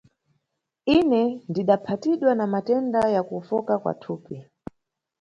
Ine ndidaphatidwa na matenda ya kuwofoka kwa thupi.